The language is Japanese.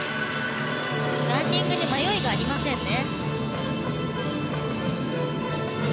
ランディングに迷いがありませんね。